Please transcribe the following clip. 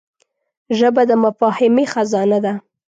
ژبه د مفاهمې خزانه ده